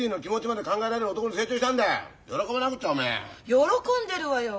喜んでるわよ。